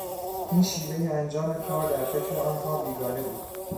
این شیوهی انجام کار در فکر آنها بیگانه بود.